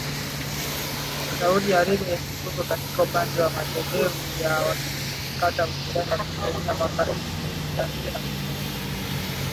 Saudi Arabia yenye nguvu katika upande madhehebu ya wasunni, ilikata uhusiano wa kidiplomasia mwaka elfu mbili na kumi na sita